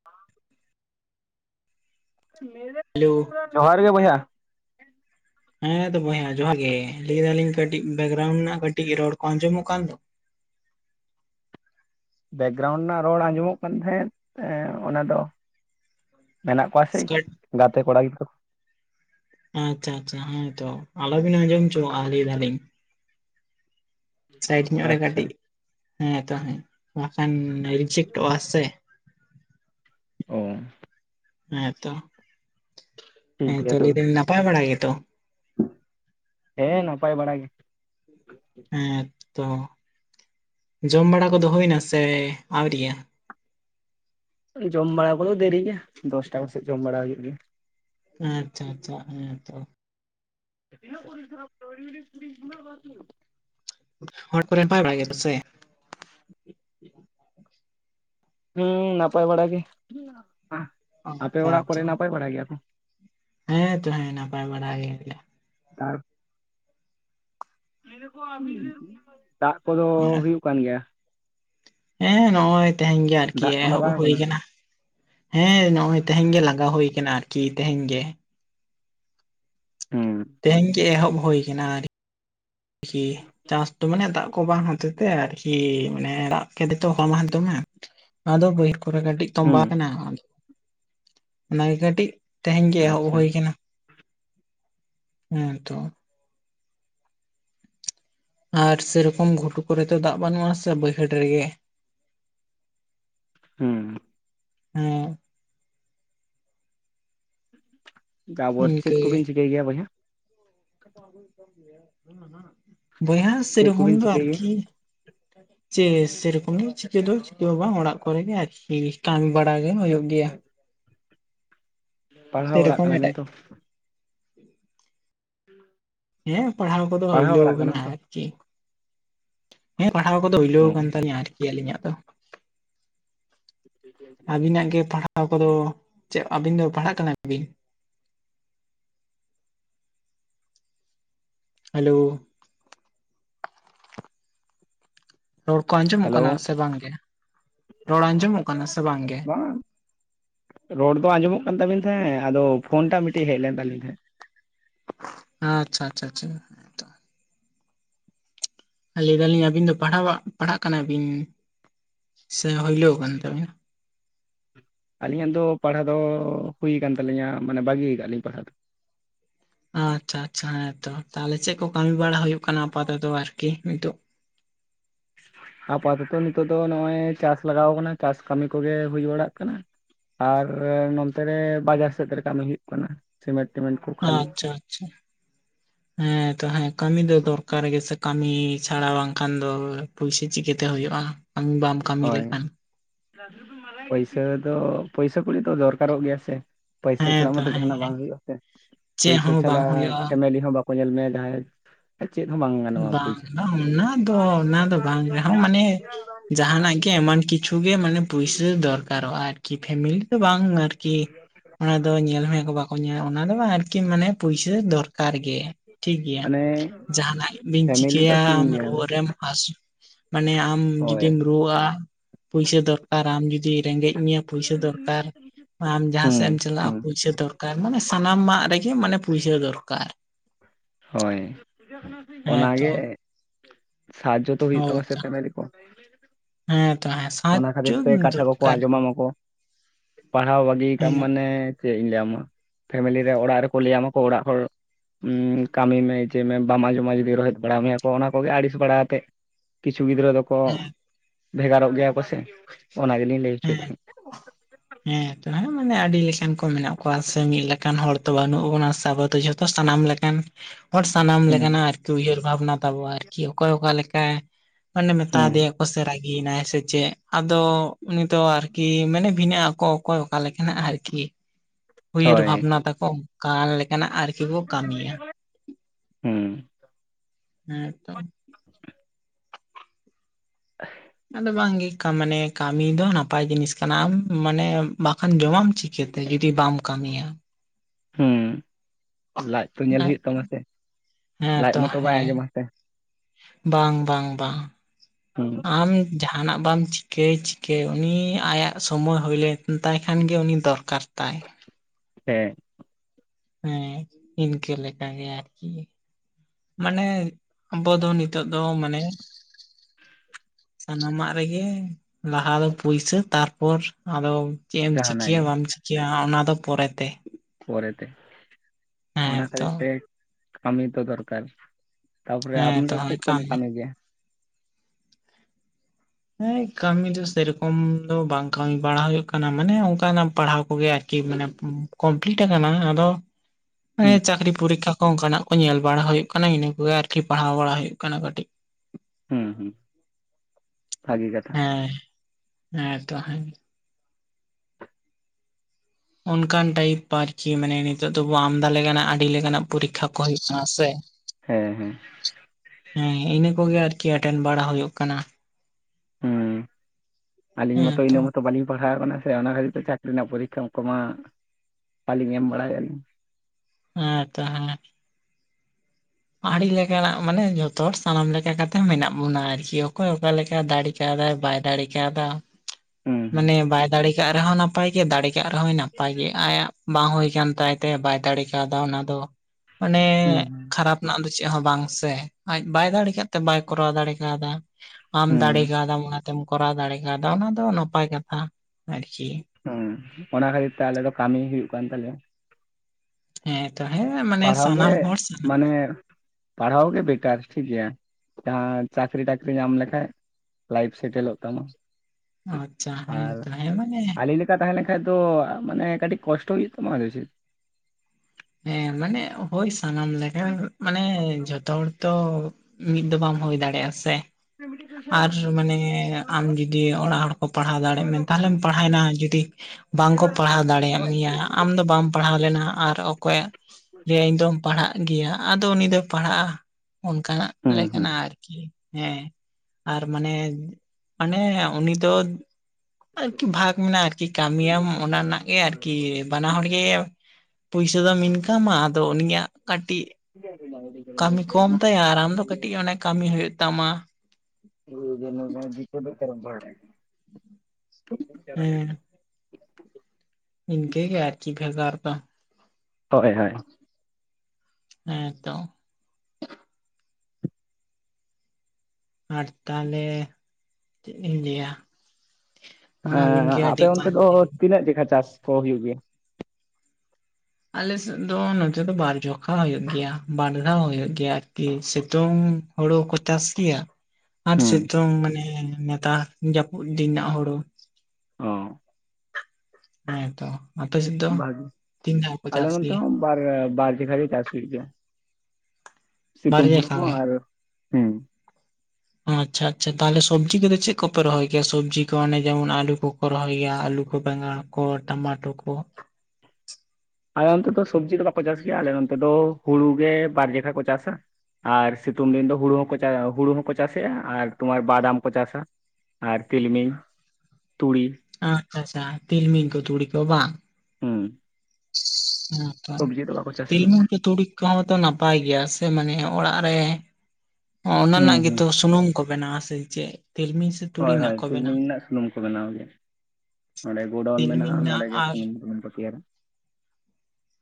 [inaudible] Hello. ᱡᱚᱦᱟᱨ ᱜᱮ ᱵᱚᱭᱦᱟ ᱾ ᱦᱮᱸ ᱛᱚ ᱵᱚᱭᱦᱟ ᱡᱚᱦᱟᱨ ᱜᱮ ᱞᱟᱹᱭ ᱫᱟᱞᱤᱧ ᱠᱟᱹᱴᱤᱡ ᱵᱮᱠᱜᱨᱟᱣᱩᱱᱰ ᱨᱮᱱᱟᱜ ᱠᱟᱴᱤᱡ ᱨᱚᱲ ᱠᱚ ᱟᱸᱡᱚᱢᱚᱜ ᱠᱟᱱ ᱫᱚ ᱾ ᱵᱮᱠᱜᱨᱟᱣᱩᱱᱰ ᱨᱮᱱᱟᱜ ᱨᱚᱲ ᱟᱸᱡᱚᱢᱚᱜ ᱠᱟᱱ ᱛᱟᱦᱮᱸᱫ ᱮᱸ ᱚᱱᱟ ᱫᱚ ᱼᱼ ᱢᱮᱱᱟᱜ ᱠᱚᱣᱟ ᱥᱮ ᱥᱠᱟᱴ ᱜᱟᱛᱮ ᱠᱚᱲᱟ ᱜᱤᱫᱽᱨᱟᱹ ᱾ ᱟᱪᱪᱷᱟ ᱟᱪᱪᱷᱟ ᱦᱮᱸᱛᱚ ᱟᱞᱚᱵᱤᱱ ᱟᱸᱡᱚᱢ ᱦᱚᱪᱚᱣᱟᱜᱼᱟ ᱞᱟᱹᱭ ᱫᱟᱞᱤᱧ ᱾ ᱥᱟᱭᱤᱰ ᱧᱚᱜ ᱨᱮ ᱟᱪᱪᱷᱟ ᱠᱟᱹᱴᱤᱡ ᱦᱮᱸ ᱛᱚ ᱦᱮᱸ ᱾ ᱵᱟᱠᱷᱟᱱ ᱨᱤᱡᱮᱠᱴᱚᱜᱼᱟ ᱥᱮ ᱾ ᱚᱻ ᱦᱮᱸ ᱛᱚ ᱴᱷᱤᱠ ᱦᱮᱸ ᱜᱮᱭᱟ ᱛᱚ ᱛᱚᱵᱮ ᱞᱟᱹᱭᱫᱟᱹᱧ ᱱᱟᱯᱟᱭ ᱵᱟᱲᱟ ᱜᱮᱛᱚ? ᱦᱮᱸ ᱱᱟᱯᱟᱭ ᱵᱟᱲᱟ ᱜᱮ ᱾ ᱦᱮᱸ ᱛᱚ ᱡᱚᱢ ᱵᱟᱲᱟ ᱠᱚᱫᱚ ᱦᱩᱭᱱᱟ ᱥᱮ ᱟᱹᱣᱨᱤᱭᱟ? ᱡᱚᱢ ᱵᱟᱲᱟ ᱠᱚᱫᱚ ᱫᱮᱨᱤ ᱜᱮᱭᱟ ᱫᱚᱥᱴᱟ ᱠᱚ ᱥᱮᱫ ᱡᱚᱢ ᱵᱟᱲᱟ ᱦᱩᱭᱩᱜ ᱜᱮᱭᱟ ᱾ ᱟᱪᱪᱷᱟ ᱟᱪᱪᱷᱟ ᱦᱮᱸ ᱛᱚ ᱾ [unintelligible] [unintelligible] ᱱᱟᱯᱟᱭ ᱵᱟᱲᱟ ᱜᱮᱭᱟ ᱯᱮ ᱥᱮ? ᱦᱩᱸᱻ ᱱᱟᱯᱟᱭ ᱵᱟᱲᱟ ᱜᱮ ᱟᱯᱮ ᱟᱪᱪᱷᱟ ᱚᱲᱟᱜ ᱠᱚᱨᱮ ᱟᱪᱪᱷᱟ ᱱᱟᱯᱟᱭ ᱵᱟᱲᱟ ᱜᱮᱭᱟ ᱠᱚ? ᱦᱮᱸ ᱛᱚ ᱦᱮᱸ ᱱᱟᱯᱟᱭ ᱵᱟᱲᱟ ᱜᱮᱭᱟᱞᱮ ᱾ ᱟᱨ [unintelligible] ᱼᱼ ᱪᱟᱥ ᱠᱚ ᱫᱚ ᱦᱩᱭᱩᱜ ᱠᱟᱱ ᱜᱮᱭᱟ? ᱦᱮᱸ ᱱᱚᱜ-ᱚᱭ ᱛᱮᱦᱮᱧ ᱜᱮ ᱟᱨᱠᱤ ᱫᱟᱜ ᱠᱚ ᱮᱦᱚᱵ ᱞᱟᱜᱟᱣ ᱦᱩᱭ ᱠᱟᱱᱟ ᱟᱠᱟᱱᱟ ᱾ ᱦᱮᱸ ᱱᱚᱜᱼᱚᱭ ᱛᱮᱦᱮᱧ ᱜᱮ ᱞᱟᱸᱜᱟ ᱦᱩᱭ ᱠᱟᱱᱟ ᱟᱨᱠᱤ ᱛᱮᱦᱮᱧ ᱜᱮ ᱾ ᱦᱩᱸ ᱾ ᱛᱮᱦᱮᱧ ᱜᱮ ᱮᱦᱚᱵ ᱦᱩᱭ ᱟᱠᱟᱱᱟ ᱟᱨᱠᱤ ᱪᱟᱥ ᱫᱚ ᱢᱟᱱᱮ ᱫᱟᱜ ᱠᱚ ᱵᱟᱝ ᱦᱚ ᱛᱮᱛ ᱛᱮ ᱟᱨᱠᱤ ᱢᱟᱱᱮ ᱨᱟᱜ ᱠᱮᱫ ᱫᱚ ᱦᱚᱞᱟ ᱢᱟᱫᱷᱮᱨ ᱫᱚᱢᱮ ᱟᱫᱚ ᱵᱟᱹᱭᱦᱟᱹᱲ ᱠᱚᱨᱮ ᱠᱟᱹᱴᱤᱡ ᱛᱚᱢᱵᱟ ᱦᱩᱸ ᱮᱱᱟ ᱚᱱᱟ ᱜᱮ ᱠᱟᱹᱴᱤᱡ ᱛᱮᱦᱮᱧ ᱜᱮ ᱮᱦᱚᱵ ᱟᱪᱪᱷᱟ ᱦᱩᱭ ᱟᱠᱟᱱᱟ ᱦᱮᱸ ᱛᱚ ᱟᱨ ᱥᱮᱨᱚᱠᱚᱢ ᱜᱷᱩᱴᱩ ᱠᱚᱨᱮ ᱫᱚ ᱫᱟᱜ ᱵᱟᱹᱱᱩᱜᱼᱟ ᱥᱮ ᱵᱟᱹᱭᱦᱟᱹᱲ ᱨᱮᱜᱮ ᱦᱩᱸ ᱦᱩᱸ ᱡᱟᱵᱚᱨ ᱤᱱᱠᱟᱹ ᱪᱮᱫ ᱠᱚ ᱵᱤᱱ ᱪᱤᱠᱟᱹᱭ ᱜᱮᱭᱟ ᱵᱚᱭᱦᱟ ᱵᱚᱭᱦᱟ ᱪᱮᱫ ᱥᱮᱨᱚᱠᱚᱢ ᱠᱚᱵᱤᱱ ᱫᱚ ᱪᱤᱠᱟᱹᱭ ᱟᱨᱠᱤ [unintelligible] ᱪᱮ ᱥᱮᱨᱚᱠᱚᱢ ᱜᱮ ᱪᱤᱠᱟᱹ ᱫᱚ ᱪᱤᱠᱟᱹ ᱦᱚᱸ ᱵᱟᱝ ᱚᱲᱟᱜ ᱠᱚᱨᱮ ᱜᱮ ᱟᱨᱠᱤ ᱠᱟᱹᱢᱤ ᱵᱟᱲᱟ ᱜᱮ ᱦᱩᱭᱩᱜ ᱜᱮᱭᱟ ᱯᱟᱲᱦᱟᱣ ᱵᱟᱲᱟᱜ ᱥᱮᱨᱚᱠᱚᱢ ᱠᱟᱱᱟ ᱮᱴᱟᱜ ᱵᱤᱱ ᱛᱚ ᱦᱮᱸ ᱯᱟᱲᱦᱟᱣ ᱠᱚᱫᱚ ᱯᱟᱲᱦᱟᱣ ᱦᱳᱭᱞᱳ ᱵᱟᱲᱟᱜ ᱠᱟᱱᱟ ᱠᱟᱱᱟᱢ ᱛᱚ ᱟᱨᱠᱤ ᱦᱮᱸ ᱯᱟᱲᱦᱟᱣ ᱠᱚᱫᱚ ᱚ ᱦᱳᱭᱞᱟᱹᱣ ᱠᱟᱱ ᱛᱟᱹᱞᱤᱧᱟ ᱟᱨᱠᱤ ᱟᱹᱞᱤᱧᱟᱜ ᱫᱚ ᱟᱵᱤᱱᱟᱜ ᱜᱮ ᱯᱟᱲᱦᱟᱣ ᱠᱚᱫᱚ ᱪᱮᱫ ᱟᱹᱵᱤᱱ ᱫᱚ ᱯᱟᱲᱦᱟᱜ ᱠᱟᱱᱟ ᱵᱤᱱ? ᱦᱮᱞᱳ ᱨᱚᱲ ᱠᱚ ᱟᱸᱡᱚᱢᱚᱜ ᱦᱮᱞᱳ ᱠᱟᱱᱟ ᱥᱮ ᱵᱟᱝ ᱜᱮ ᱨᱚᱲ ᱟᱸᱡᱚᱢᱚᱜ ᱠᱟᱱᱟ ᱥᱮ ᱵᱟᱝ ᱜᱮ? ᱨᱚᱲ ᱫᱚ ᱟᱸᱡᱚᱢᱚᱜ ᱠᱟᱱ ᱛᱟᱹᱵᱤᱱ ᱛᱟᱦᱮᱸᱜ ᱟᱫᱚ ᱯᱷᱳᱱᱴᱟᱜ ᱢᱤᱫᱴᱤᱡ ᱦᱮᱡ ᱞᱮᱱ ᱛᱟᱹᱞᱤᱧ ᱛᱟᱦᱮᱸᱫ ᱟᱪᱪᱷᱟ ᱟᱪᱪᱷᱟ ᱟᱪᱪᱷᱟ ᱞᱟᱹᱭ ᱫᱟᱹᱞᱤᱧ ᱟᱹᱵᱤᱱ ᱫᱚ ᱯᱟᱲᱦᱟᱣ-ᱟᱜ ᱯᱟᱲᱦᱟᱜ ᱠᱟᱱᱟ ᱵᱤᱱ ᱥᱮ ᱦᱳᱭᱞᱳ ᱟᱠᱟᱱ ᱛᱟᱹᱵᱤᱱᱟ? ᱟᱹᱞᱤᱧᱟᱜ ᱫᱚ ᱯᱟᱲᱦᱟᱣ ᱫᱚ ᱦᱩᱭ ᱟᱠᱟᱱ ᱛᱟᱹᱟᱞᱤᱧᱟ ᱢᱟᱱᱮ ᱵᱟᱹᱜᱤᱭᱟ ᱟᱠᱟᱫ ᱞᱤᱧ ᱯᱟᱲᱦᱟᱣ ᱫᱚ ᱟᱪᱪᱷᱟ ᱟᱪᱪᱷᱟ ᱦᱮᱸᱛᱚ ᱛᱟᱦᱚᱞᱮ ᱪᱮᱫ ᱠᱚ ᱠᱟᱹᱢᱤ ᱵᱟᱲᱟ ᱦᱩᱭᱩᱜ ᱠᱟᱱᱟ ᱟᱯᱟᱛᱚᱛᱚ ᱟᱨᱠᱤ ᱱᱤᱛᱳᱜ ᱟᱯᱟᱛᱚᱛᱚ ᱱᱤᱛᱚᱜ ᱫᱚ ᱱᱚᱜᱼᱚᱭ ᱪᱟᱥ ᱞᱟᱜᱟᱣ ᱠᱟᱱᱟ ᱪᱟᱥ ᱠᱟᱹᱢᱤ ᱠᱚᱜᱮ ᱦᱩᱭ ᱵᱟᱲᱟᱜ ᱠᱟᱱᱟ ᱟᱨ ᱱᱚᱱᱛᱮ ᱨᱮ ᱵᱟᱡᱟᱨ ᱥᱮᱫ ᱨᱮ ᱠᱟᱹᱢᱤ ᱦᱩᱭᱩᱜ ᱠᱟᱱᱟ ᱥᱤᱢᱮᱱᱴ ᱛᱤᱢᱮᱱᱴ ᱠᱚ ᱠᱷᱟᱹᱞᱤ ᱟᱪᱪᱷᱟ [inaudible] ᱦᱮᱸ ᱛᱚ ᱦᱮᱸ ᱠᱟᱹᱢᱤ ᱫᱚ ᱫᱚᱨᱠᱟᱨ ᱜᱮᱥ ᱠᱟᱹᱢᱤ ᱪᱷᱟᱲᱟ ᱵᱟᱝᱠᱷᱟᱱ ᱫᱚ ᱯᱩᱭᱥᱟᱹ ᱪᱤᱠᱟᱹᱛᱮ ᱦᱩᱭᱩᱜᱼᱟ ᱟᱢ ᱵᱟᱢ ᱠᱟᱹᱢᱤ ᱦᱳᱭ ᱞᱮᱠᱷᱟᱱ ᱯᱩᱭᱥᱟᱹ ᱫᱚ ᱯᱩᱭᱥᱟᱹ ᱠᱚ ᱧᱤᱛᱚᱜ ᱫᱚᱨᱠᱟᱨᱚᱜ ᱜᱮᱭᱟ ᱥᱮ ᱯᱚᱭᱥᱟ ᱦᱮᱸ ᱪᱷᱟᱲᱟ ᱛᱚ ᱢᱟᱛᱚ ᱦᱮᱸ ᱡᱟᱦᱟᱱᱟᱜ ᱵᱟᱝ ᱦᱩᱭᱩᱜ ᱟᱥᱮ ᱪᱮᱫ ᱯᱩᱭᱥᱟ ᱦᱚᱸ ᱪᱷᱟᱲᱟ ᱵᱟᱝ ᱦᱩᱭᱩᱜᱼᱟ ᱯᱷᱮᱢᱮᱞᱤ ᱦᱚᱸ ᱵᱟᱠᱚ ᱧᱮᱞ ᱢᱮᱭᱟ ᱡᱟᱦᱟᱸᱭ ᱪᱮᱫ ᱦᱚᱸ ᱵᱟᱝ ᱜᱟᱱᱚᱜᱼᱟ ᱵᱟᱝ ᱯᱚᱭᱥᱟ ᱵᱟᱝ ᱚᱱᱟ ᱫᱚ ᱚᱱᱟ ᱫᱚ ᱵᱟᱝ ᱨᱮᱦᱚᱸ ᱢᱟᱱᱮ ᱡᱟᱦᱟᱱᱟᱜ ᱜᱮ ᱮᱢᱟᱱ ᱠᱤ ᱠᱤᱪᱷᱩ ᱜᱮ ᱢᱟᱱᱮ ᱯᱩᱭᱥᱟᱹ ᱫᱚᱨᱠᱟᱨᱚᱜᱼᱟ ᱟᱨᱠᱤ ᱯᱷᱮᱢᱮᱞᱤ ᱫᱚ ᱵᱟᱝ ᱟᱨ ᱠᱤ ᱚᱱᱟ ᱫᱚ ᱧᱮᱞ ᱢᱮ ᱠᱚ ᱵᱟᱠᱚ ᱧᱮᱞ ᱚᱱᱟ ᱫᱚ ᱟᱨᱠᱤ ᱢᱟᱱᱮ ᱯᱩᱭᱥᱟᱹ ᱫᱚᱨ ᱫᱚᱨᱠᱟᱨ ᱜᱮ ᱴᱷᱤᱠ ᱜᱮᱭᱟ ᱢᱟᱱᱮ ᱡᱟᱦᱟᱱᱟᱜ ᱜᱮ ᱵᱤᱱ ᱯᱷᱮᱢᱮᱞᱤ ᱫᱚ ᱪᱤᱠᱟᱹᱭᱟ ᱪᱮᱫ ᱤᱧ ᱞᱟᱹᱭᱟ ᱨᱩᱣᱟᱹ ᱨᱮᱢ ᱦᱟᱸᱥᱩ ᱢᱟᱱᱮ ᱟᱢ ᱦᱳᱭ ᱡᱩᱫᱤᱢ ᱨᱩᱣᱟᱹᱜᱼᱟ ᱯᱩᱭᱥᱟᱹ ᱫᱚᱨᱠᱟᱨ ᱟᱢ ᱡᱩᱫᱤ ᱨᱮᱸᱜᱮᱡ ᱢᱮᱭᱟ ᱯᱩᱭᱥᱟᱹ ᱫᱚᱨᱠᱟᱨ ᱟᱢ ᱡᱟᱦᱟᱸ ᱦᱩᱸ ᱥᱮᱫ ᱮᱢ ᱦᱩᱸ ᱪᱟᱞᱟᱜᱼᱟ ᱯᱩᱭᱥᱟᱹ ᱫᱚᱨᱠᱟᱨ ᱢᱟᱱᱮ ᱥᱟᱱᱟᱢᱟᱜ ᱨᱮᱜᱮ ᱢᱟᱱᱮ ᱯᱩᱭᱥᱟᱹ ᱫᱚᱨᱠᱟᱨ ᱦᱳᱭ ᱦᱮᱸ ᱛᱚ ᱚᱱᱟᱜᱮ ᱥᱟᱦᱟᱡᱡᱚ ᱫᱚ ᱦᱩᱭᱩᱜ ᱦᱳᱭ ᱛᱟᱢᱟ ᱥᱮ ᱛᱚ ᱯᱷᱮᱢᱮᱞᱤ ᱠᱚ ᱦᱮᱸ ᱛᱚ ᱦᱮᱸ ᱚᱱᱟ ᱠᱷᱟᱹᱛᱤᱨ ᱥᱟᱦᱟᱡᱡᱚ ᱛᱮ ᱠᱟᱛᱷᱟ ᱠᱚᱠᱚ ᱫᱚᱨᱠᱟᱨ ᱟᱸᱡᱚᱢᱟᱢᱟ ᱠᱚ ᱯᱟᱲᱦᱟᱣ ᱵᱟᱹᱜᱤ ᱟᱠᱟᱢ ᱦᱮᱸ ᱢᱟᱱᱮ ᱪᱮᱫ ᱤᱧ ᱞᱟᱹᱭ ᱟᱢᱟ ᱯᱷᱮᱢᱮᱞᱤ ᱨᱮ ᱚᱲᱟᱜ ᱨᱮᱠᱚ ᱞᱟᱹᱭᱟᱢᱟᱠᱚ ᱚᱲᱟᱜ ᱦᱚᱲ ᱦᱩᱢ ᱠᱟᱹᱢᱤ ᱢᱮ ᱡᱮ ᱢᱮ ᱵᱟᱢ ᱟᱸᱡᱚᱢᱟ ᱡᱩᱫᱤ ᱨᱩᱦᱮᱫ ᱵᱟᱲᱟ ᱢᱮᱭᱟ ᱠᱚ ᱚᱱᱟ ᱠᱚᱜᱮ ᱟᱹᱲᱤᱥ ᱵᱟᱲᱟ ᱟᱛᱮᱫ ᱠᱤᱪᱷᱩ ᱜᱤᱫᱽᱨᱟᱹ ᱫᱚᱠᱚ ᱦᱮᱸ ᱵᱷᱮᱜᱟᱨᱚᱜ ᱜᱮᱭᱟ ᱠᱚᱥᱮ ᱚᱱᱟ ᱜᱮᱞᱤᱧ ᱞᱟᱹᱭ ᱚᱪᱚᱭᱮᱫ ᱦᱮᱸ ᱛᱟᱦᱮᱸᱫ [inaudible] ᱦᱮᱸ ᱛᱚ ᱢᱟᱱᱮ ᱟᱹᱰᱤ ᱞᱮᱠᱟᱱ ᱠᱚ ᱢᱮᱱᱟᱜ ᱠᱚᱣᱟ ᱥᱮ ᱢᱤᱫ ᱞᱮᱠᱟᱱ ᱦᱚᱲ ᱛᱚ ᱵᱟᱹᱱᱩᱜ ᱵᱚᱱᱟ ᱥᱮ ᱟᱵᱚ ᱡᱷᱚᱛᱚ ᱥᱟᱱᱟᱢ ᱞᱮᱠᱟ ᱮᱢ ᱦᱚᱲ ᱥᱟᱱᱟᱢ ᱦᱩᱸ ᱞᱮᱠᱟᱱᱟᱜ ᱟᱨᱠᱤ ᱩᱭᱦᱟᱹᱨ ᱵᱷᱟᱵᱽᱱᱟ ᱛᱟᱵᱚ ᱟᱨᱠᱤ ᱚᱠᱚᱭ ᱚᱠᱟ ᱞᱮᱠᱟ ᱢᱟᱱᱮ ᱢᱮᱛᱟ ᱦᱩᱸ ᱫᱮᱭᱟ ᱥᱮ ᱨᱟᱹᱜᱤᱭᱮᱱᱟᱭ ᱥᱮ ᱪᱮᱫ ᱟᱫᱚ ᱩᱱᱤ ᱫᱚ ᱟᱨᱠᱤ ᱢᱟᱱᱮ ᱵᱷᱤᱱᱟᱹ ᱟᱠᱚ ᱚᱠᱚᱭ ᱚᱠᱟ ᱞᱮᱠᱟᱱᱟᱭ ᱟᱨᱠᱤ ᱩᱭᱦᱟᱹᱨ ᱦᱳᱭ ᱵᱷᱟᱵᱽᱱᱟ ᱛᱟᱠᱚ ᱚᱠᱟ ᱞᱮᱠᱟᱱᱟᱜ ᱟᱨᱠᱤ ᱠᱚ ᱠᱟᱹᱢᱤᱭᱟ ᱦᱩᱸ ᱦᱮᱸ ᱛᱚ [unintelligible] ᱟᱫᱚ ᱵᱟᱝᱜᱮ ᱢᱟᱱᱮ ᱠᱟᱹᱢᱤ ᱫᱚ ᱱᱟᱯᱟᱭ ᱡᱤᱱᱤᱥ ᱠᱟᱱᱟ ᱢᱟᱱᱮ ᱵᱟᱠᱷᱟᱱ ᱡᱚᱢᱟᱢ ᱪᱤᱠᱟ ᱪᱤᱠᱟᱹᱛᱮ ᱡᱩᱫᱤ ᱵᱟᱢ ᱠᱟᱹᱢᱤᱭᱟ ᱦᱩᱢ ᱞᱟᱡ ᱛᱚ ᱧᱮᱞ ᱦᱩᱭᱩᱜ ᱛᱟᱢᱟ ᱥᱮ ᱦᱮᱸ ᱞᱟᱡ ᱛᱚ ᱢᱟᱛᱚ ᱵᱟᱭ ᱦᱮᱸ ᱟᱸᱡᱚᱢᱟᱥᱮ ᱵᱟᱝ ᱵᱟᱝ ᱵᱟᱝ ᱦᱩᱸ ᱟᱢ ᱡᱟᱦᱱᱟᱜ ᱵᱟᱢ ᱪᱤᱠᱟᱹᱭ ᱪᱤᱠᱟᱹ ᱩᱱᱤ ᱟᱭᱟᱜ ᱥᱚᱢᱚᱭ ᱦᱩᱭᱞᱮᱱ ᱛᱟᱭ ᱠᱷᱟᱱ ᱜᱮ ᱩᱱᱤ ᱫᱚᱨᱠᱟᱨ ᱛᱟᱭ ᱦᱮᱸ ᱦᱮᱸ ᱤᱱᱠᱟᱹ ᱞᱮᱠᱟ ᱜᱮ ᱟᱨᱠᱤ ᱢᱟᱱᱮ ᱟᱵᱚ ᱫᱚ ᱱᱤᱛᱚᱜ ᱫᱚ ᱢᱟᱱᱮ ᱥᱟᱱᱟᱢᱟᱜ ᱨᱮᱜᱮ ᱞᱟᱦᱟ ᱫᱚ ᱯᱩᱭᱥᱟᱹ ᱛᱟᱨᱯᱚᱨ ᱟᱫᱚ ᱪᱮ ᱮᱢ ᱡᱟᱦᱟᱱᱟᱜ ᱪᱤᱠᱟᱹᱭᱟ ᱜᱮ ᱵᱟᱢ ᱪᱤᱠᱟᱹᱭᱟ ᱚᱱᱟᱫᱚ ᱯᱚᱨᱮᱛᱮ ᱯᱚᱨᱮᱛᱮ ᱦᱮᱸ ᱚᱱᱟ ᱛᱚ ᱠᱷᱟᱹᱛᱤᱨ ᱛᱮ ᱠᱟᱹᱢᱤ ᱫᱚ ᱫᱚᱨᱠᱟᱨ ᱛᱟᱯᱚᱨᱮ ᱟᱢ ᱦᱮᱸ ᱛᱚ ᱫᱚ ᱦᱳᱭ ᱪᱮᱫ ᱠᱚᱢ ᱠᱟᱹᱢᱤ ᱜᱮᱭᱟ ᱦᱮᱸ ᱠᱟᱹᱢᱤ ᱫᱚ ᱥᱮᱨᱚᱠᱚᱢ ᱫᱚ ᱵᱟᱝ ᱠᱟᱹᱢᱤ ᱵᱟᱲᱟ ᱦᱩᱭᱩᱜ ᱠᱟᱱᱟ ᱢᱟᱱᱮ ᱚᱱᱠᱟᱱᱟᱜ ᱯᱟᱲᱦᱟᱣ ᱠᱚᱜᱮ ᱟᱨ ᱠᱤ ᱢᱟᱱᱮ ᱠᱚᱢᱯᱞᱤᱴ ᱠᱟᱱᱟ ᱟᱫᱚ [inaudible] ᱦᱮᱸ ᱪᱟᱹᱠᱨᱤ ᱯᱚᱨᱤᱠᱠᱷᱟ ᱠᱚ ᱚᱱᱠᱟᱱᱟᱜ ᱠᱚ ᱧᱮᱞ ᱵᱟᱲᱟ ᱦᱩᱭᱩᱜ ᱠᱟᱱᱟ ᱤᱱᱟᱹ ᱠᱚᱜᱮ ᱟᱨᱠᱤ ᱯᱟᱲᱦᱟᱣ ᱵᱟᱲᱟ ᱦᱩᱭᱩᱜ ᱠᱟᱱᱟ ᱠᱟᱹᱴᱤᱡ ᱦᱩᱢ ᱦᱮᱸ ᱦᱮᱸᱛᱚ ᱦᱮᱸ ᱚᱱᱠᱟᱱ ᱴᱟᱭᱤᱯ ᱯᱟᱨᱪᱤ ᱢᱟᱱᱮ ᱱᱤᱛᱚᱜ ᱫᱚᱵᱚᱱ ᱟᱢᱫᱟ ᱞᱮᱠᱟᱱᱟᱜ ᱟᱹᱰᱤ ᱞᱮᱠᱟᱱᱟᱜ ᱯᱚᱨᱤᱠᱠᱷᱟ ᱠᱚ ᱦᱩᱭᱩᱜ ᱠᱟᱱᱟ ᱥᱮ ᱦᱮᱸ ᱦᱮᱸ ᱦᱮᱸ ᱤᱱᱟᱹ ᱠᱚᱜᱮ ᱟᱨᱠᱤ ᱮᱴᱮᱱ ᱵᱟᱲᱟ ᱦᱩᱭᱩᱜ ᱠᱟᱱᱟ ᱦᱩᱸ ᱟᱹᱞᱤᱧ ᱢᱚᱛᱚ ᱦᱮᱸ ᱤᱱᱟᱹᱜ ᱛᱚ ᱢᱚᱛᱚ ᱵᱟᱹᱞᱤᱧ ᱯᱟᱲᱦᱟᱣ ᱠᱟᱱᱟ ᱥᱮ ᱚᱱᱟ ᱠᱷᱟᱹᱛᱤᱨ ᱛᱮ ᱪᱟᱠᱨᱤ ᱨᱮᱱᱟᱜ ᱯᱚᱨᱤᱠᱠᱷᱟ ᱠᱚ ᱢᱟ ᱵᱟᱹᱞᱤᱧ ᱮᱢ ᱵᱟᱲᱟᱭᱮᱫ-ᱟ ᱞᱤᱧ ᱦᱮᱸ ᱛᱚ ᱦᱮᱸ ᱟᱹᱰᱤ ᱞᱮᱠᱟᱱᱟᱜ ᱢᱟᱱᱮ ᱡᱚᱛᱚ ᱦᱚᱲ ᱥᱟᱱᱟᱢ ᱞᱮᱠᱟ ᱠᱟᱛᱮᱜ ᱢᱮᱱᱟᱜ ᱵᱚᱱᱟ ᱟᱨᱠᱤ ᱚᱠᱚᱭ ᱚᱠᱟᱞᱮᱠᱟ ᱫᱟᱲᱮ ᱠᱟᱣ ᱫᱟᱭ ᱵᱟᱭ ᱫᱟᱲᱮ ᱠᱟᱣ ᱫᱟ ᱦᱩᱸ ᱦᱩᱸ ᱢᱟᱱᱮ ᱵᱟᱭ ᱫᱟᱲᱮ ᱠᱟᱜ ᱨᱮᱦᱚᱸ ᱱᱟᱯᱟᱭ ᱜᱮ ᱫᱟᱲᱮ ᱠᱟᱜ ᱨᱮᱦᱚᱸᱭ ᱱᱟᱯᱟᱭ ᱜᱮ ᱟᱭᱟᱜ ᱵᱟᱝ ᱦᱩᱭ ᱠᱟᱱ ᱛᱟᱭ ᱛᱮ ᱵᱟᱭ ᱫᱟᱲᱮ ᱠᱟᱣᱫᱟ ᱚᱱᱟ ᱫᱚ ᱢᱟᱱᱮ ᱦᱩᱸ ᱠᱷᱟᱨᱟᱯ ᱨᱮᱱᱟᱜ ᱫᱚ ᱪᱮᱫ ᱦᱚᱸ ᱵᱟᱝ ᱥᱮ ᱟᱡ ᱵᱟᱭ ᱫᱟᱲᱮ ᱠᱟᱫ ᱛᱮ ᱵᱟᱭ ᱠᱚᱨᱟᱣ ᱫᱟᱲᱮ ᱠᱟᱣᱫᱟ ᱟᱢ ᱦᱩᱸ ᱫᱟᱲᱮ ᱠᱟᱣᱫᱟᱢ ᱚᱱᱟᱛᱮᱢ ᱠᱚᱨᱟᱣ ᱫᱟᱲᱮ ᱠᱟᱣᱫᱟ ᱚᱱᱟ ᱫᱚ ᱱᱟᱯᱟᱭ ᱠᱟᱛᱷᱟ ᱟᱨᱠᱤ ᱦᱩᱸ ᱚᱱᱟ ᱠᱷᱟᱹᱛᱤᱨ ᱛᱮ ᱟᱞᱮ ᱫᱚ ᱠᱟᱹᱢᱤ ᱦᱩᱭᱩᱜ ᱠᱟᱱ ᱛᱟᱞᱮᱭᱟ ᱦᱮᱸ ᱛᱚ ᱦᱮ [unintelligible] ᱯᱟᱲᱦᱟᱣ ᱜᱮ ᱢᱟᱱᱮ ᱯᱟᱲᱦᱟᱣ ᱜᱮ ᱵᱮᱠᱟᱨ ᱴᱷᱤᱠ ᱜᱮᱭᱟ ᱡᱟᱦᱟᱸ ᱪᱟᱠᱨᱤᱴᱟᱠᱨᱤ ᱧᱟᱢ ᱞᱮᱠᱷᱟᱡ ᱞᱟᱭᱤᱯᱷ ᱥᱮᱴᱮᱞᱚᱜ ᱛᱟᱢᱟ ᱟᱪᱪᱷᱟ ᱦᱮᱸ ᱟᱨ ᱛᱚᱸ ᱦᱮ ᱢᱟᱱᱮ ᱟᱞᱮ ᱞᱮᱠᱟ ᱛᱟᱦᱮᱸ ᱞᱮᱠᱷᱟᱱᱡ ᱫᱚ ᱢᱟᱱᱮ ᱠᱟᱹᱴᱤᱡ ᱠᱚᱥᱴᱚ ᱦᱩᱭᱩᱜ ᱛᱟᱢᱟ ᱟᱫᱚ ᱪᱮᱫ ᱦᱮᱸ ᱢᱟᱱᱮ ᱦᱳᱭ ᱥᱟᱱᱟᱢ ᱞᱮᱠᱟᱱ ᱦᱩᱸ ᱢᱟᱱᱮ ᱡᱚᱛᱚ ᱦᱚᱲ ᱛᱚ ᱢᱤᱫ ᱫᱚ ᱵᱟᱢ ᱦᱩᱭ ᱫᱟᱲᱮᱭᱟᱜ-ᱟ ᱥᱮ ᱦᱩᱸ ᱟᱨ ᱦᱳᱭ ᱢᱟᱱᱮ ᱟᱢ ᱡᱩᱫᱤ ᱚᱲᱟᱜ ᱦᱚᱲ ᱠᱚ ᱯᱟᱲᱦᱟᱣ ᱫᱟᱲᱮᱜ ᱢᱮ ᱛᱟᱦᱚᱞᱮᱢ ᱯᱟᱲᱦᱟᱣᱱᱟ ᱡᱩᱫᱤ ᱵᱟᱝᱠᱚ ᱯᱟᱲᱦᱟᱣ ᱫᱟᱲᱮᱭᱟᱜ ᱦᱳᱭ ᱢᱮᱭᱟ ᱟᱢ ᱫᱚ ᱵᱟᱢ ᱯᱟᱲᱦᱟᱣ ᱞᱮᱱᱟ ᱟᱨ ᱚᱠᱚᱭ ᱤᱧ ᱫᱚᱢ ᱯᱟᱲᱦᱟᱜ ᱜᱮᱭᱟ ᱟᱫᱚ ᱩᱱᱤ ᱫᱚᱭ ᱯᱟᱲᱦᱟᱜ-ᱟ ᱚᱱᱠᱟᱱᱟᱜ ᱞᱮᱠᱟᱱᱟᱜ ᱟᱨᱠᱤ ᱦᱮᱸ ᱟᱨ ᱢᱟᱱᱮ ᱢᱟᱱᱮ ᱩᱱᱤ ᱫᱚ ᱟᱨᱠᱤ ᱵᱷᱟᱜᱽ ᱢᱮᱱᱟᱜ-ᱟ ᱟᱨᱠᱤ ᱠᱟᱹᱢᱤᱭᱟᱢ ᱚᱱᱟ ᱨᱮᱱᱟᱜ ᱜᱮ ᱟᱨᱠᱤ ᱵᱟᱱᱟ ᱦᱚᱲ ᱜᱮ ᱠᱤᱪᱷᱩ ᱫᱚᱢ ᱤᱱᱠᱟᱢᱟ ᱟᱫᱚ ᱩᱱᱤᱭᱟᱜ ᱠᱟᱹᱴᱤᱡ [unintelligible] ᱠᱟᱹᱢᱤ ᱠᱚᱢ ᱛᱟᱭᱟ ᱟᱨ ᱟᱢ ᱫᱚ ᱠᱟᱹᱴᱤᱡ ᱚᱱᱮ ᱠᱟᱹᱢᱤ ᱦᱩᱭᱩᱜ ᱛᱟᱢᱟ [unintelligible] [unintelligible] ᱤᱱᱠᱟᱹ ᱜᱮ ᱟᱨᱠᱤ [unintelligible] ᱵᱷᱮᱜᱟᱨ ᱫᱚ ᱦᱳᱭ ᱦᱳᱭ ᱦᱮᱸᱛᱚ ᱟᱨ ᱛᱟᱦᱚᱞᱮ ᱪᱮᱫ ᱤᱧ ᱞᱟᱹᱭᱟ ᱢᱟ ᱟᱹᱵᱤᱱ ᱜᱮ ᱟᱹᱰᱤ ᱟᱯᱮ ᱚᱱᱛᱮ ᱵᱟᱨ ᱫᱚ ᱛᱤᱱᱟᱹᱜ ᱡᱚᱠᱷᱟ ᱪᱟᱥ ᱠᱚ ᱦᱩᱭᱩᱜ ᱜᱮᱭᱟ ᱟᱞᱮᱥᱮᱫ ᱫᱚ ᱱᱚᱛᱮ ᱫᱚ ᱵᱟᱨ ᱡᱚᱠᱷᱟ ᱦᱩᱭᱩᱜ ᱜᱮᱭᱟ ᱵᱟᱨ ᱫᱷᱟᱣ ᱦᱩᱭᱩᱜ ᱜᱮᱭᱟ ᱟᱨᱠᱤ ᱥᱤᱛᱩᱝ ᱦᱩᱲᱩ ᱠᱚ ᱪᱟᱥ ᱜᱮᱭᱟ ᱟᱨ ᱦᱩᱸ ᱥᱤᱛᱩᱝ ᱢᱟᱱᱮ ᱱᱮᱛᱟᱨ ᱡᱟᱹᱯᱩᱫ ᱫᱤᱱ ᱨᱮᱱᱟᱜ ᱦᱩᱲᱩ ᱚ ᱦᱮᱸ ᱛᱚ ᱵᱷᱟᱜᱤ ᱟᱞᱮ ᱱᱚᱛᱮ ᱜᱮᱭᱟ ᱦᱚᱸ ᱵᱟᱨ ᱵᱟᱨ ᱡᱚᱠᱷᱟ ᱜᱮ ᱪᱟᱥ ᱦᱩᱭᱩᱜ ᱜᱮᱭᱟ ᱥᱤᱛᱩᱝ ᱵᱟᱨᱭᱟ ᱦᱩᱲᱩ ᱠᱷᱟᱱ ᱦᱚᱸ ᱜᱮ ᱟᱨ ᱦᱮᱸ ᱟᱪᱪᱷᱟ ᱟᱪᱪᱷᱟ ᱛᱟᱦᱚᱞᱮ ᱥᱚᱵᱽᱡᱤ ᱠᱚᱫᱚ ᱪᱮᱫ ᱠᱚᱯᱮ ᱨᱚᱦᱚᱭ ᱜᱮᱭᱟ ᱥᱚᱵᱽᱡᱤ ᱠᱚ ᱚᱱᱮ ᱡᱮᱢᱚᱱ ᱟᱞᱩ ᱠᱚ ᱠᱚ ᱨᱚᱦᱚᱭ ᱜᱮᱭᱟ ᱟᱹᱞᱩ ᱠᱚ ᱵᱮᱸᱜᱟᱲ ᱠᱚ ᱴᱟᱢᱟᱴᱳ ᱠᱚ ᱟᱞᱮ ᱱᱚᱛᱮ ᱫᱚ ᱥᱚᱵᱽᱡᱤ ᱫᱚ ᱵᱟᱠᱚ ᱪᱟᱥ ᱜᱮᱭᱟ ᱟᱞᱮ ᱱᱚᱛᱮ ᱫᱚ ᱦᱩᱲᱩ ᱜᱮ ᱵᱟᱨ ᱡᱮᱠᱷᱚᱡ ᱠᱚ ᱪᱟᱥᱟ ᱟᱨ ᱥᱤᱛᱩᱝ ᱫᱤᱱ ᱫᱚ ᱦᱩᱲᱩ ᱦᱚᱸᱠᱚ ᱦᱩᱲᱩ ᱦᱚᱸᱠᱚ ᱪᱟᱥᱮᱫᱼᱴ-ᱟ ᱟᱨ ᱛᱳᱢᱟᱨ ᱵᱟᱫᱟᱢ ᱠᱚ ᱪᱟᱥᱟ ᱟᱨ ᱛᱤᱞᱢᱤᱧ ᱛᱩᱲᱤ ᱟᱪᱪᱷᱟ ᱟᱪᱪᱷᱟ ᱛᱤᱞᱢᱤᱧ ᱠᱚ ᱛᱩᱲᱤ ᱠᱚ ᱵᱟᱝ ᱦᱩᱸ ᱥᱚᱵᱽᱡᱤ ᱫᱚ ᱵᱟᱠᱚ ᱪᱟᱥ ᱜᱮᱭᱟ ᱛᱤᱞᱢᱤᱧ ᱠᱚ ᱛᱩᱲᱤ ᱠᱚᱦᱚᱸ ᱛᱚ ᱱᱟᱯᱟᱭ ᱜᱮᱭᱟ ᱥᱮ ᱢᱟᱱᱮ ᱚᱲᱟᱜ ᱨᱮ ᱚᱱᱟ ᱨᱮᱱᱟᱜ ᱦᱩᱸ ᱦᱩᱸ ᱜᱮᱛᱚ ᱥᱩᱱᱩᱢ ᱠᱚ ᱵᱮᱱᱟᱣᱟ ᱥᱮ ᱪᱮᱫ ᱛᱤᱞᱢᱤᱧ ᱥᱮ ᱛᱩᱲᱤ ᱦᱳᱭ ᱨᱮᱱᱟᱜ ᱦᱳᱭ ᱠᱚ ᱵᱮᱱᱟᱣᱟ ᱛᱤᱞᱢᱤᱧ ᱨᱮᱱᱟᱜ ᱥᱩᱱᱩᱢ ᱠᱚ ᱵᱮᱱᱟᱣ ᱜᱮᱭᱟ ᱱᱚᱸᱰᱮ ᱜᱳᱰᱟᱣᱩᱱ ᱢᱮᱱᱟᱜᱼᱟ ᱛᱤᱞᱢᱤᱧ ᱨᱮᱱᱟᱜ ᱱᱚᱸᱰᱮ ᱜᱮ ᱟᱨ ᱥᱩᱱᱩᱢ ᱥᱩᱱᱩᱢ ᱠᱚ ᱛᱮᱭᱟᱨᱟ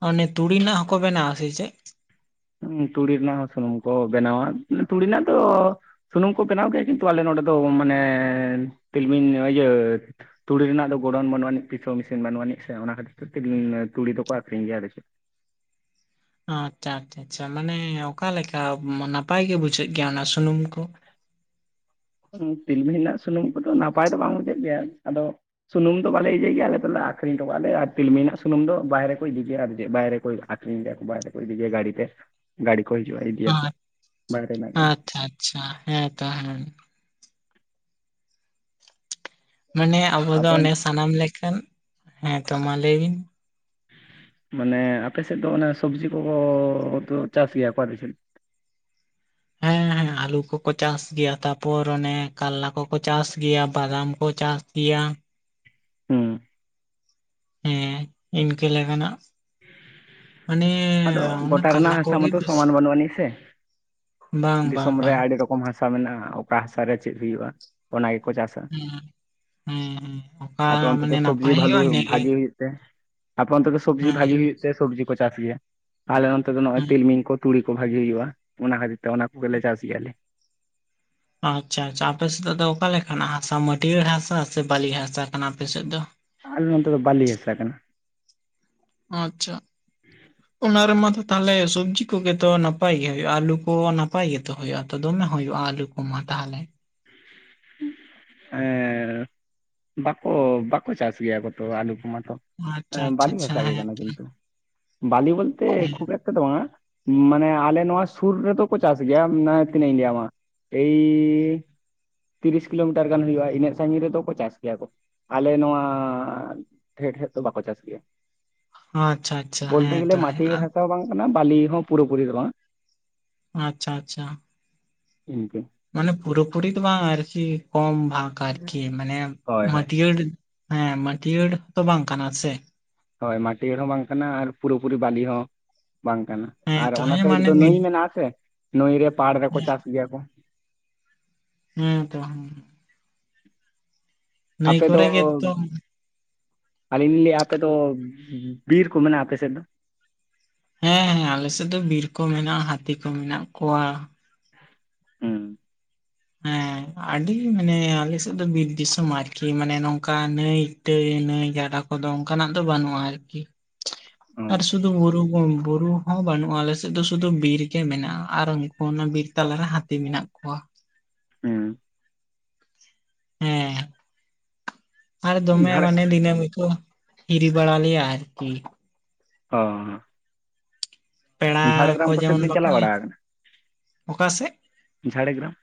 ᱚᱱᱮ ᱛᱩᱲᱤ ᱨᱮᱱᱟᱜ ᱦᱚᱸᱠᱚ ᱵᱮᱱᱟᱣᱟ ᱥᱮ ᱪᱮᱫ ᱛᱩᱲᱤ ᱨᱮᱱᱟᱜ ᱦᱚᱸ ᱥᱩᱱᱩᱢ ᱠᱚ ᱵᱮᱱᱟᱣᱟ ᱛᱩᱲᱤ ᱨᱮᱱᱟᱜ ᱫᱚ ᱥᱩᱱᱩᱢ ᱠᱚ ᱵᱮᱱᱟᱣ ᱜᱮᱭᱟ ᱠᱤᱱᱛᱩ ᱟᱞᱮ ᱱᱚᱸᱰᱮ ᱫᱚ ᱢᱟᱱᱮ ᱛᱤᱞᱢᱤᱧ ᱤᱭᱟᱹ ᱛᱩᱲᱤ ᱨᱮᱱᱟᱜ ᱫᱚ ᱜᱚᱲᱚᱱ ᱵᱟᱹᱱᱩᱜ ᱟᱹᱱᱤᱡ ᱯᱤᱥᱟᱹ ᱢᱮᱤᱥᱤᱱ ᱵᱟᱹᱱᱩᱜ ᱟᱹᱱᱤᱡ ᱥᱮ ᱚᱱᱟ ᱠᱷᱟᱹᱛᱤᱨ ᱛᱮ ᱛᱩᱲᱤ ᱫᱚᱠᱚ ᱟᱠᱷᱨᱤᱧ ᱜᱮᱭᱟ ᱟᱞᱮᱥᱮᱫ ᱟᱪᱪᱷᱟ ᱟᱪᱪᱷᱟ ᱟᱪᱪᱷᱟ ᱢᱟᱱᱮ ᱚᱠᱟᱞᱠᱟ ᱱᱟᱯᱟᱭ ᱜᱮ ᱵᱩᱡᱷᱟᱹᱜ ᱜᱮᱭᱟ ᱚᱱᱟ ᱥᱩᱱᱩᱢ ᱠᱚ ᱛᱤᱞᱢᱤ ᱨᱮᱱᱟᱜ ᱥᱩᱱᱩᱢ ᱠᱚᱫᱚ ᱱᱟᱯᱟᱭ ᱫᱚ ᱵᱟᱝ ᱵᱩᱡᱷᱟᱹᱜ ᱜᱮᱭᱟ ᱟᱫᱚ ᱥᱩᱱᱩᱢ ᱫᱚ ᱵᱟᱞᱮ ᱤᱭᱟᱹᱤᱭ ᱜᱮᱭᱟ ᱟᱞᱮ ᱫᱚᱞᱮ ᱟᱠᱷᱨᱤᱧ ᱦᱚᱴ ᱠᱟᱜ ᱞᱮ ᱟᱨ ᱛᱤᱞᱢᱤ ᱨᱮᱱᱟᱜ ᱥᱩᱱᱩᱢ ᱵᱟᱦᱨᱮ ᱠᱚ ᱤᱫᱤ ᱜᱮᱭᱟ ᱟᱨ ᱵᱟᱦᱨᱮ ᱠᱚᱠᱷ [inaudible] ᱤᱫᱤ ᱠᱚ ᱵᱟᱭᱨᱮ ᱠᱚ ᱜᱟᱹᱰᱤ ᱛᱮ ᱜᱟᱹᱰᱤ ᱠᱚ ᱦᱤᱡᱩᱼᱟ ᱫᱤᱭᱟ ᱠᱚ ᱟ- ᱵᱟᱭ ᱨᱮ ᱱᱟᱜ ᱟᱪᱪᱷᱟ ᱟᱪᱪᱷᱟ ᱦᱮᱸ ᱛᱚ ᱦᱮᱸ ᱢᱟᱱᱮ ᱟᱵᱚ ᱫᱚ ᱟᱫᱚ ᱚᱱᱮ ᱥᱟᱱᱟᱢ ᱞᱮᱠᱟᱱ ᱦᱮᱸᱛᱚ ᱢᱟ ᱞᱟᱹᱭ ᱵᱤᱱ ᱢᱟᱱᱮ ᱟᱯᱮᱥᱮᱫ ᱫᱚ ᱚᱱᱮ ᱥᱚᱵᱽᱡᱤ ᱠᱚᱠᱚ ᱪᱟᱥ ᱜᱮᱭᱟ ᱠᱚ ᱟᱠᱟ ᱥᱮᱫ [inaudible] ᱟᱞᱩ ᱠᱚᱠᱚ ᱪᱟᱥ ᱜᱮᱭᱟ ᱛᱟᱯᱚᱨ ᱚᱱᱮ ᱠᱟᱞᱞᱟ ᱠᱚᱠᱚ ᱪᱟᱥ ᱜᱮᱭᱟ ᱵᱟᱫᱟᱢ ᱠᱚ ᱪᱟᱥ ᱜᱮᱭᱟ ᱦᱩᱸ ᱦᱮᱸ ᱤᱱᱠᱟᱹ ᱞᱮᱠᱟᱱᱟᱜ ᱢᱟᱱᱮ ᱟᱫᱚ ᱜᱚᱴᱟ ᱠᱟᱞᱞᱟ ᱨᱮᱱᱟᱜ ᱦᱟᱥᱟ ᱠᱚᱜᱮ ᱢᱟᱛᱚ ᱵᱮᱥ ᱥᱚᱢᱟᱱ ᱵᱟᱹᱱᱩᱜ ᱟᱹᱱᱤᱡ ᱥᱮ ᱫᱤᱥᱚᱢ ᱨᱮ ᱟᱹᱰᱤ ᱨᱚᱠᱚᱢ ᱦᱟᱥᱟ ᱢᱮᱱᱟᱜᱼᱟ ᱚᱠᱟ ᱦᱟᱥᱟᱨᱮ ᱪᱮᱫ ᱦᱩᱭᱩᱜᱼᱟ ᱚᱱᱟ ᱜᱮᱠᱚ ᱪᱟᱥᱼᱟ ᱦᱮᱸ ᱦᱮᱸ ᱦᱮᱸ ᱚᱠᱟ ᱟᱫᱚ ᱚᱱᱛᱮ ᱫᱚ ᱢᱟᱱᱮ ᱥᱚᱵᱽᱡᱤ ᱱᱟᱯᱟᱭ ᱵᱷᱟᱞᱩ ᱦᱩᱭᱩᱜᱼᱟ ᱤᱱᱟᱹᱜᱮ ᱵᱷᱟᱜᱤ ᱦᱩᱭᱩᱜ ᱛᱮ ᱟᱯᱮ ᱚᱱᱛᱮ ᱫᱚ ᱥᱚᱵᱽᱡᱤ ᱦᱮᱸ ᱵᱷᱟᱜᱤ ᱦᱩᱭᱩᱜ ᱛᱮ ᱥᱚᱵᱽᱡᱤ ᱠᱚ ᱪᱟᱥ ᱜᱮᱭᱟ ᱟᱞᱮ ᱱᱚᱱᱛᱮ ᱫᱚ ᱱᱚᱜᱼᱚᱭ ᱦᱮᱸ ᱛᱤᱞᱢᱤᱧ ᱠᱚ ᱛᱩᱲᱤ ᱠᱚ ᱵᱷᱟᱜᱤ ᱦᱩᱭᱩᱜᱼᱟ ᱚᱱᱟ ᱠᱷᱟᱹᱛᱤᱨ ᱛᱮ ᱚᱱᱟ ᱠᱚᱜᱮᱞᱮ ᱪᱟᱥ ᱜᱮ ᱟᱞᱮ ᱟᱪᱪᱷᱟ ᱟᱪᱪᱷᱟ ᱟᱯᱮᱥᱮᱫ ᱫᱚ ᱚᱠᱟᱮ ᱞᱮᱠᱟᱱᱟᱜ ᱦᱟᱥᱟ ᱢᱟᱹᱴᱭᱟᱹᱲ ᱦᱟᱥᱟ ᱥᱮ ᱵᱟᱹᱞᱤ ᱦᱟᱥᱟ ᱠᱟᱱᱟ ᱟᱯᱮᱥᱮᱫ ᱫᱚ ᱟᱞᱮ ᱱᱚᱛᱮ ᱫᱚ ᱵᱟᱞᱤ ᱦᱟᱥᱟ ᱠᱟᱱᱟ ᱟᱪᱪᱷᱟ [inaudible] ᱚᱱᱟ ᱨᱮᱢᱟᱛᱚ ᱛᱟᱦᱚᱞᱮ ᱥᱚᱵᱽᱡᱤ ᱠᱚ ᱜᱮᱛᱚ ᱱᱟᱯᱟᱭ ᱜᱮ ᱦᱩᱭᱩᱜᱼᱟ ᱟᱹᱞᱩ ᱠᱚ ᱱᱟᱯᱟᱭ ᱜᱮᱛᱚ ᱦᱩᱭᱩᱜᱼᱟ ᱛᱚ ᱫᱚᱢᱮ ᱦᱩᱭᱩᱜᱼᱟ ᱟᱞᱩ ᱠᱚᱢᱟ ᱛᱟᱦᱚᱞᱮ [inaudible] ᱦᱮᱸ ᱵᱟᱠᱩ ᱵᱟᱠᱩ ᱪᱟᱥ ᱜᱮᱭᱟ ᱠᱚᱛᱚ ᱟᱞᱩ ᱠᱚᱢᱟᱛᱚ ᱟᱪᱪᱷᱟ ᱟᱪᱪᱷᱟ ᱵᱟᱞᱤ ᱟᱪᱪᱷᱟ ᱢᱮᱥᱟ ᱜᱮ ᱦᱮᱸ ᱠᱟᱱᱟ ᱛᱚ, ᱠᱤᱱᱛᱩ ᱵᱞᱟᱤ ᱵᱚᱞᱛᱮ ᱦᱮᱸ ᱠᱷᱩᱵ ᱮᱠ [inaudible] ᱵᱟᱝᱟ ᱢᱟᱱᱮ ᱟᱞᱮ ᱱᱚᱣᱟ ᱥᱩᱨ ᱨᱮᱫᱚ ᱠᱚ ᱪᱟᱥ ᱜᱮᱭᱟ ᱛᱤᱱᱟᱹᱜ ᱤᱧ ᱞᱟᱹᱭᱟᱢ ᱢᱟ ᱮᱭ ᱛᱤᱨᱤᱥ ᱠᱤᱞᱳᱢᱤᱴᱟᱨ ᱜᱟᱱ ᱦᱩᱭᱩᱜᱼᱟ ᱤᱱᱟᱹᱜ ᱥᱟᱺᱜᱤᱧ ᱨᱮ ᱫᱚ ᱠᱚ ᱪᱟᱥ ᱜᱮᱭᱟ ᱠᱚ, ᱟᱞᱮ ᱱᱚᱣᱟ ᱰᱷᱮ ᱥᱮᱡ ᱫᱚ ᱵᱟᱠᱚ ᱪᱟᱥ ᱜᱮᱭᱟ ᱟᱪᱪᱷᱟ ᱟᱪᱪᱷᱟ ᱵᱚᱞᱛᱮ ᱦᱮᱸ ᱜᱮᱞᱮ ᱛᱚ ᱦᱮᱸ ᱢᱟᱹᱴᱤᱭᱟᱹᱲ ᱦᱟᱥᱟ ᱦᱚᱸ ᱵᱟᱝ ᱠᱟᱱᱟ ᱵᱟᱹᱞᱤ ᱦᱚᱸ ᱯᱩᱨᱟᱹᱯᱩᱨᱤ ᱫᱚ ᱵᱟᱝ ᱟᱪᱪᱷᱟ ᱟᱪᱪᱷᱟ ᱤᱱᱠᱟᱹ ᱢᱟᱱᱮ ᱯᱩᱨᱟᱹᱯᱩᱨᱤ ᱫᱚ ᱵᱟᱝ ᱟᱨᱠᱤ ᱠᱚᱢ ᱵᱷᱟᱜᱽ ᱟᱨᱠᱤ ᱢᱟᱱᱮ ᱦᱳᱭ ᱦᱳᱭ ᱢᱟᱴᱤᱭᱟᱹᱲ ᱦᱮᱸ ᱢᱟᱹᱴᱤᱭᱟᱹᱲ ᱛᱚ ᱵᱟᱝ ᱠᱟᱱᱟ ᱥᱮ ᱦᱳᱭ ᱢᱟᱴᱤᱭᱟᱹᱲ ᱦᱚᱸ ᱵᱟᱝ ᱠᱟᱱᱟ ᱟᱨ ᱯᱩᱨᱟᱹ ᱯᱩᱨᱤ ᱵᱟᱞᱤ ᱦᱚᱸ ᱵᱟᱝ ᱠᱟᱱᱟ ᱦᱮᱸ ᱟᱨ ᱛᱚ ᱚᱱᱟ ᱦᱮᱸ ᱥᱟᱭᱤᱰ ᱢᱟᱱᱮ ᱫᱚ ᱢᱤᱫ ᱱᱟᱹᱭ ᱢᱮᱱᱟᱜ-ᱟ ᱥᱮ ᱱᱟᱹᱭ ᱨᱮ ᱯᱟᱲ ᱨᱮᱠᱚ ᱪᱟᱥ ᱜᱮᱭᱟ ᱠᱚ ᱦᱩᱸ ᱛᱚ ᱦᱩᱸ ᱟᱯᱮ ᱫᱚ ᱠᱚᱨᱮ ᱜᱮᱛᱚ ᱦᱮᱸ ᱟᱹᱞᱤᱧ ‌ᱞᱤᱧ ᱞᱟᱹᱭᱮᱜ-ᱟ ᱟᱯᱮ ᱫᱚ ᱵᱤᱨ ᱠᱚ ᱢᱮᱱᱟᱜ-ᱟ, ᱟᱯᱮ ᱥᱮᱫ ᱫᱚ ᱦᱮᱸ ᱦᱮᱸ ᱟᱞᱮᱥᱮᱫ ᱫᱚ ᱵᱤᱨ ᱠᱚ ᱢᱮᱱᱟᱜᱼᱟ ᱦᱟᱹᱛᱤ ᱠᱚ ᱢᱮᱱᱟᱜ ᱠᱚᱣᱟ ᱦᱩᱸ ᱦᱮᱸ ᱟᱹᱰᱤ ᱢᱟᱱᱮ ᱟᱞᱮ ᱥᱮᱫ ᱫᱚ ᱵᱤᱨ ᱫᱤᱥᱚᱢ ᱟᱨᱠᱤ ᱢᱟᱱᱮ ᱱᱚ ᱱᱚᱝᱠᱟ ᱱᱟᱹᱭ-ᱴᱟᱹᱭ ᱱᱟᱹᱭ ᱜᱟᱰᱟ ᱠᱚᱫᱚ ᱚᱱᱠᱟᱱᱟᱜ ᱫᱚ ᱵᱟᱹᱱᱩᱜᱼᱟ ᱟᱨᱠᱤ ᱚ ᱟᱨ ᱥᱩᱫᱷᱩ ᱵᱩᱨᱩ ᱠᱚ, ᱵᱩᱨᱩ ᱦᱚᱸ ᱵᱟᱹᱱᱩᱜᱼᱟ ᱟᱞᱮᱮᱥᱮᱫ ᱫᱚ ᱥᱩᱫᱷᱩ ᱵᱤᱨ ᱜᱮ ᱢᱮᱱᱟᱜᱼᱟ ᱟᱨ ᱩᱝᱠᱩ ᱚᱱᱟ ᱵᱤᱨ ᱛᱟᱞᱟᱨᱮ ᱦᱟᱹᱛᱤ ᱢᱮᱱᱟᱜ ᱠᱚᱣᱟ ᱦᱩᱸ ᱦᱮᱸ ᱟᱨ ᱫᱚᱢᱮ ᱡᱷᱟᱲ ᱢᱟᱱᱮ ᱫᱤᱱᱟᱹᱢ ᱜᱮ ᱠᱚ ᱦᱤᱨᱤ ᱵᱟᱲᱟ ᱞᱮᱭᱟ ᱟᱨᱠᱤ ᱚᱻ ᱯᱮᱲᱟ ᱠᱚ ᱠᱚᱥᱮᱫ ᱡᱮᱢᱚᱱ ᱵᱤᱱ ᱵᱟᱠᱚ, ᱪᱟᱞᱟᱣ ᱵᱟᱲᱟ ᱟᱠᱟᱱᱟ ᱚᱠᱟ ᱥᱮᱫ ᱡᱷᱟᱲᱜᱨᱟᱢ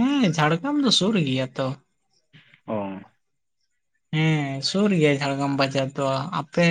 ᱦᱮᱸ ᱡᱷᱟᱲᱜᱨᱟᱢ ᱫᱚ ᱥᱩᱨ ᱜᱮᱭᱟ ᱛᱚ ᱚ ᱦᱮᱸ ᱥᱩᱨ ᱜᱮᱭᱟ ᱡᱷᱟᱲᱜᱨᱟᱢ ᱵᱟᱡᱟᱨ ᱫᱚ ᱟᱯᱮ